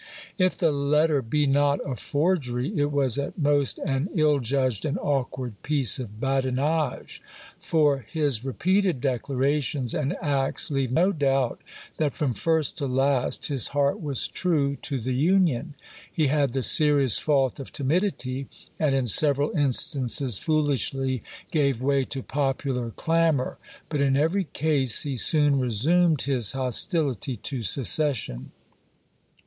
If the letter be not a forgery, it was at most an ill judged and awkward piece of badinage; for his repeated declarations and acts leave no doubt that from first to last his heart was true to the Union. He had the serious fault of timidity, and in several instances foolishly gave way to popular clamor; but in every case he soon resumed his hostility to secession.